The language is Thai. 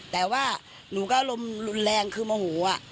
แต่ว่าหนูก็รมแรงเครื่องมาหูอะ